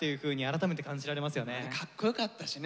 あれかっこよかったしね